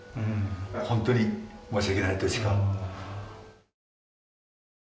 本当に申し訳ないとしか。